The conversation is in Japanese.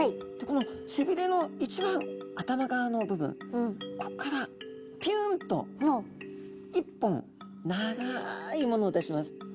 この背びれの一番頭側の部分こっからピュンと一本長いものを出します。